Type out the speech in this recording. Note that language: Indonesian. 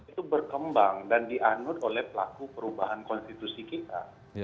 itu berkembang dan dianut oleh pelaku perubahan konstitusi kita